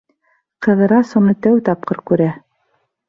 Ҡыҙырас уны тәү тапҡыр күрә.